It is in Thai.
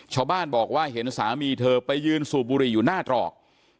ชาวบ้านบอกว่าเห็นสามีเธอไปยืนสูบบุหรี่อยู่หน้าตรอก